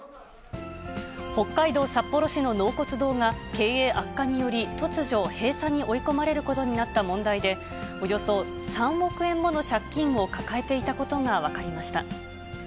北海道札幌市の納骨堂が、経営悪化により突如、閉鎖に追い込まれることになった問題で、およそ３億円もの借金を抱えていたことが分かりました。